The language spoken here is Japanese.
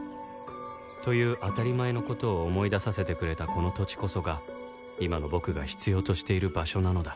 という当たり前の事を思い出させてくれたこの土地こそが今の僕が必要としている場所なのだ